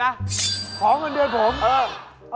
หัวโลดเนี่ยเหรอค่ะ